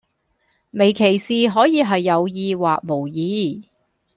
微歧視可以係有意或無意